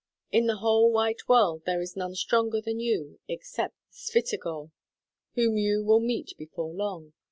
"In the whole white world there is none stronger than you except Svyatogor, whom you will meet before long.